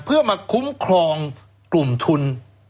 เพื่อมาคุ้มครองกลุ่มทุน